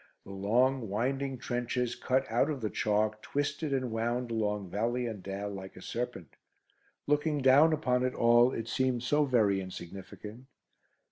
The long winding trenches cut out of the chalk twisted and wound along valley and dale like a serpent. Looking down upon it all, it seemed so very insignificant.